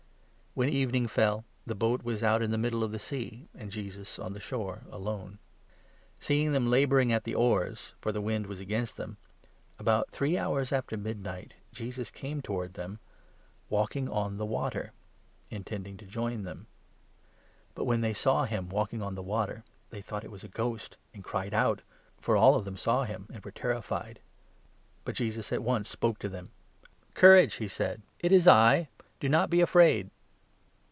When evening fell, the 47 boat was out in the middle of the Sea, and Jesus on the shore alone. Seeing them labouring at the oars — for the wind was 48 against them — about three hours after midnight Jesus came towards them, walking on the water, intending to join them. But, when they saw him walking on the water, they thought 49 it was a ghost, and cried out ; for all of them saw him, and 50 were terrified. But Jesus at once spoke to them. " Courage !" he said, " it is I ; do not be afraid